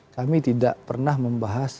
kami tidak pernah membahas